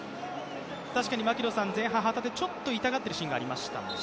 確かに、前半、旗手、ちょっと痛がっているシーンがありました。